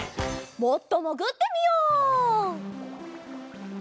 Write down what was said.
もっともぐってみよう！